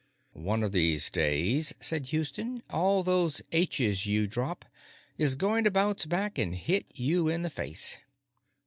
"One of these days," said Houston, "all those H's you drop is going to bounce back and hit you in the face."